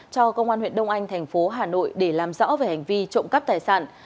cho công an huyện đông anh thành phố hà nội để làm rõ về hành vi trộm cắp tài sản